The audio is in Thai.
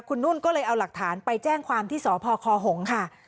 คุณนุ่นก็เลยเอาหลักฐานไปแจ้งความที่สพคหงค่ะ